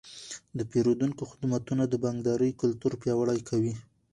د پیرودونکو خدمتونه د بانکدارۍ کلتور پیاوړی کوي.